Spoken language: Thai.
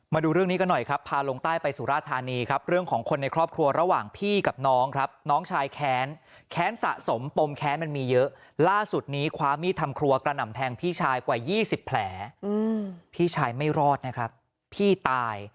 มาดูเรื่องนี้กันหน่อยครับพาลงใต้ไปสุราธานีครับเรื่องของคนในครอบครัวระหว่างพี่กับน้องครับน้องชายแค้นแค้นสะสมปมแค้นมันมีเยอะล่าสุดนี้คว้ามีดทำครัวกระหน่ำแทงพี่ชายกว่า๒๐แผลพี่ชายไม่รอดนะครับพี่ตาย